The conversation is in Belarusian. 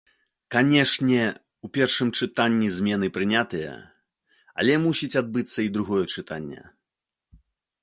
Канешне, у першым чытанні змены прынятыя, але мусіць адбыцца і другое чытанне.